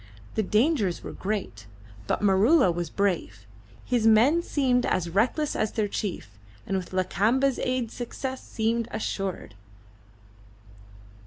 The dangers were great, but Maroola was brave; his men seemed as reckless as their chief, and with Lakamba's aid success seemed assured.